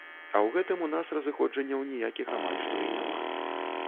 А ў гэтым у нас разыходжанняў ніякіх амаль што і няма.